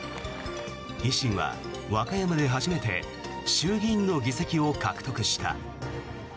維新は和歌山で初めて衆議院の議席を獲得した。